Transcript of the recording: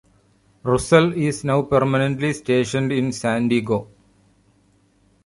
"Russell" is now permanently stationed in San Diego.